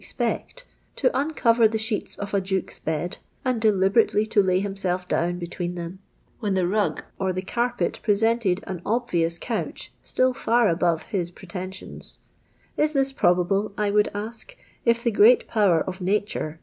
Kpei t, to uncover the sheets of a duke*:* bed, and deliberately to lay himself down between them, wlien the rug or the c.irpet presented an obviiiu? couch still far above his prfiensions 1 — is this jirolKibli*. 1 w«Mil.l a?k, if the great power of n.iliire.